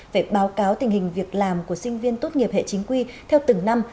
về báo cáo tình hình việc làm của sinh viên tốt nghiệp hệ chính quy theo từng năm